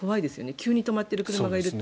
急に止まってる車がいると。